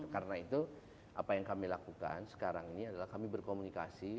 karena itu apa yang kami lakukan sekarang ini adalah kami berkomunikasi